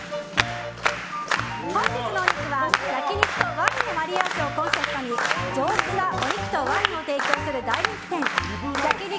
本日のお肉は焼き肉とワインのマリアージュをコンセプトに上質なお肉とワインを提供する大人気店焼肉